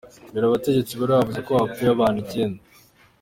Mbere abategetsi bari bavuze ko hapfuye abantu icyenda.